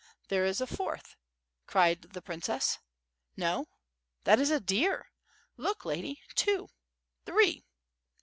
"There is a fourth," cried the princess. "No, that is a deer. Look, lady, two — ^three."